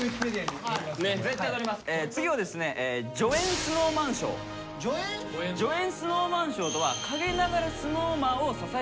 次はですね助演ＳｎｏｗＭａｎ賞とは陰ながらＳｎｏｗＭａｎを支えてくれたメンバーに贈られる賞。